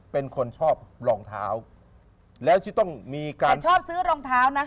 เป็นคนชอบรองเท้าแล้วที่ต้องมีการชอบซื้อรองเท้านะ